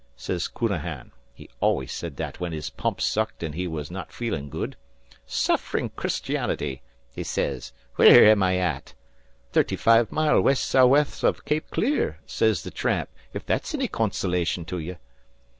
sez Counahan (he always said that whin his pumps sucked an' he was not feelin' good) 'Sufferin' Christianity!' he sez, 'where am I at?' "'Thirty five mile west sou'west o' Cape Clear,' sez the tramp, 'if that's any consolation to you.'